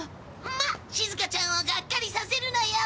まあしずかちゃんをがっかりさせるなよ。